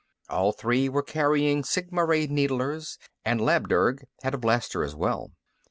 All three were carrying sigma ray needlers, and Labdurg had a blaster as well.